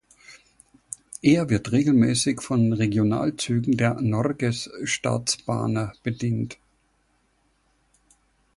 Er wird regelmäßig von Regionalzügen der Norges Statsbaner bedient.